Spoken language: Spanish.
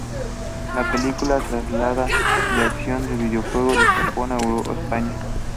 La película traslada la acción del videojuego de Japón a España.